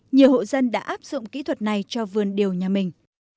nhiều hộ dân đã áp dụng kỹ thuật này cho vườn điều nhà mình